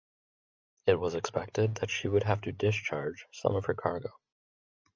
It was expected that she would have to discharge some of her cargo.